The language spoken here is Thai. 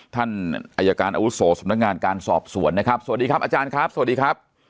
ท่านอายการอาวุโสสำนักงานการสอบสวนนะครับสวัสดีครับอาจารย์ครับสวัสดีครับ